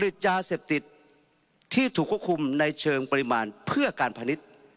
ยาเสพติดที่ถูกควบคุมในเชิงปริมาณเพื่อการพนิษฐ์